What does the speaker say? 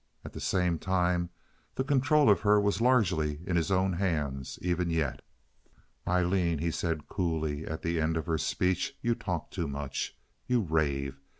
At the same time the control of her was largely in his own hands even yet. "Aileen," he said, coolly, at the end of her speech, "you talk too much. You rave.